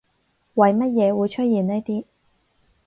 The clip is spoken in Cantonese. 為乜嘢會出現呢啲